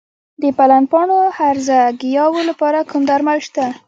د پلن پاڼو هرزه ګیاوو لپاره کوم درمل شته؟